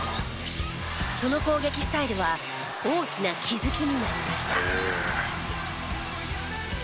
その攻撃スタイルは大きな気づきになりました。